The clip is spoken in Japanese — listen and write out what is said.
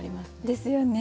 ですよね。